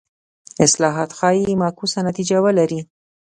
اصلاحات ښايي معکوسه نتیجه ولري.